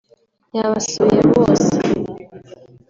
yabasuye bose